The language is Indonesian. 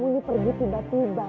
kamu pergi tiba tiba